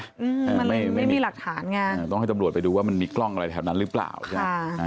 มันไม่ไม่มีหลักฐานไงต้องให้ตำรวจไปดูว่ามันมีกล้องอะไรแถวนั้นหรือเปล่าใช่ไหม